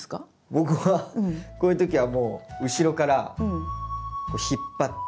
僕はこういう時はもう後ろから引っ張って。